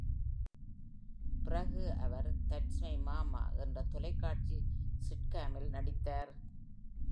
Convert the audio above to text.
பிறகு அவர் "that's my mama" என்ற தொலைக்காட்சி சிட்காமில் நடித்தார்.